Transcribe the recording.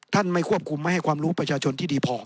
ไม่ควบคุมไม่ให้ความรู้ประชาชนที่ดีพอ